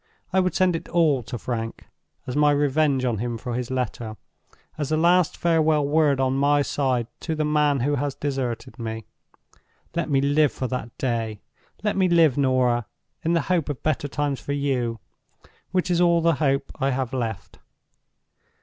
I would send it all to Frank, as my revenge on him for his letter; as the last farewell word on my side to the man who has deserted me. Let me live for that day! Let me live, Norah, in the hope of better times for you, which is all the hope I have left.